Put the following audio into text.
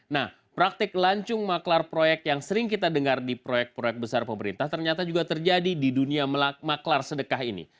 nah praktik lancung maklar proyek yang sering kita dengar di proyek proyek besar pemerintah ternyata juga terjadi di dunia maklar sedekah ini